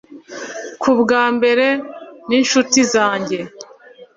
Kubwa mbere ninshuti zanjye